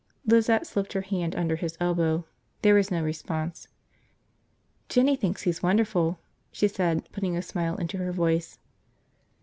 Lizette slipped her hand under his elbow. There was no response. "Jinny thinks he's wonderful," she said, putting a smile into her voice.